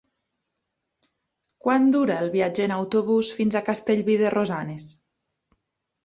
Quant dura el viatge en autobús fins a Castellví de Rosanes?